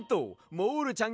モールちゃん。